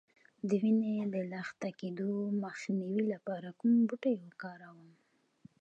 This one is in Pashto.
د وینې د لخته کیدو مخنیوي لپاره کوم بوټی وکاروم؟